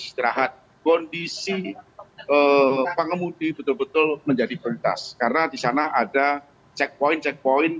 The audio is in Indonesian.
istirahat kondisi pengemudi betul betul menjadi berdas karena disana ada checkpoint checkpoint